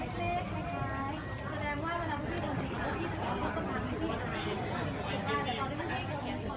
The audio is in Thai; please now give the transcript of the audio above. แต่งอย่างพี่